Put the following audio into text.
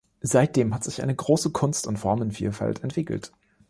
Seitdem hat sich eine große Kunst- und Formenvielfalt entwickelt.